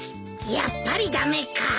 やっぱり駄目か。